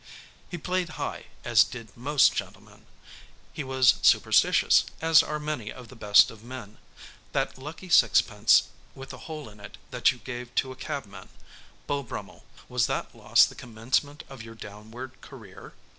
He played high, as did most gentlemen; he was superstitious, as are many of the best of men. That lucky sixpence with the hole in it that you gave to a cabman, Beau Brummell, was that loss the commencement of your downward career?